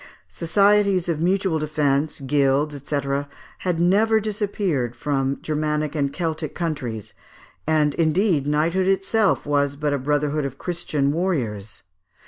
Societies of mutual defence, guilds, &c., had never disappeared from Germanic and Celtic countries; and, indeed, knighthood itself was but a brotherhood of Christian warriors.